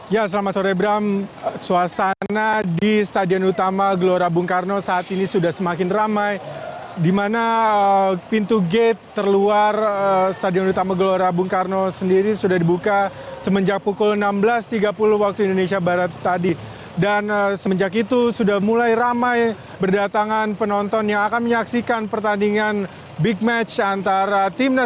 ya selamat sore bram